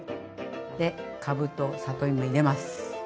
でかぶと里芋入れます。